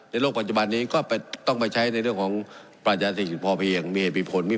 ในโลกปัจจุบันนี้ก็ไปต้องไปใช้ในเรื่องของประชาชนิดพอเพียงมีเหตุผลมี